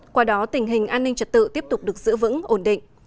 qua đó tình hình an ninh trật tự tiếp tục được giữ vững ổn định